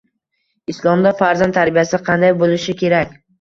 Islomda farzand tarbiyasi qanday bo‘lishi kerak?